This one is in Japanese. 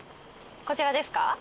こちらですか？